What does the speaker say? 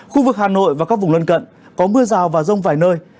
khu vực hà nội và các vùng lân cận có mưa rào và rông vài nơi